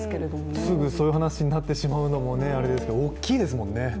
すぐそういう話になってしまうのもあれですが大きいですもんね。